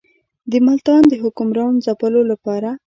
د ملتان د حکمران ځپلو لپاره.